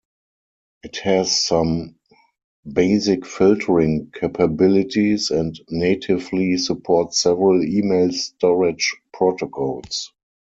It has some basic filtering capabilities, and natively supports several email storage protocols.